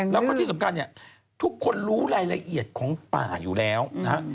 แล้วก็ที่สำคัญเนี่ยทุกคนรู้รายละเอียดของป่าอยู่แล้วนะฮะ